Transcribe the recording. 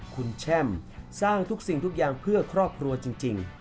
คุณแช่มสร้างทุกสิ่งทุกอย่างเพื่อครอบครัวจริง